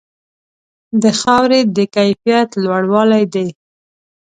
د خاورې د کیفیت لوړوالې دی.